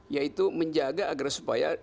yaitu menjaga agar supaya